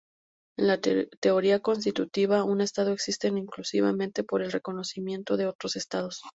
En la teoría constitutiva un estado existe exclusivamente por el reconocimiento de otros estados.